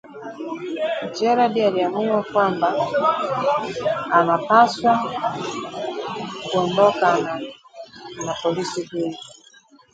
Jared aliamua kwamba anapaswa kuondokana na polisi huyu